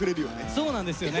そうなんですよね。